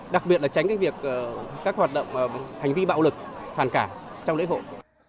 đặc biệt là tránh các hoạt động hành vi bạo lực phản cảm trong lễ hội